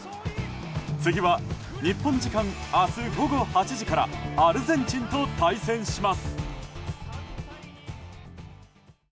次は日本時間明日午後８時からアルゼンチンと対戦します。